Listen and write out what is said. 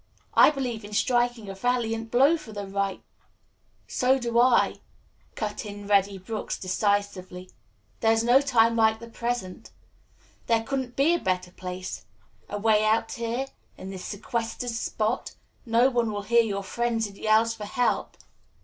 I believe in striking a valiant blow for the right " "So do I," cut in Reddy Brooks decisively. "There is no time like the present. There couldn't be a better place. Away out here in this sequestered spot no one will hear your frenzied yells for help."